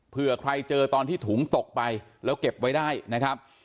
เพื่อใครเจอตอนที่ถุงตกไปแล้วเก็บไว้ได้นะครับ